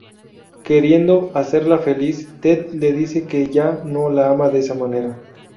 Queriendo hacerla feliz, Ted le dice que ya no la ama de esa manera.